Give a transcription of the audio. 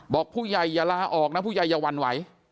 บอกผู้ใหญ่อย่าลาออกนะผู้ใหญ่อย่าหวั่นไหว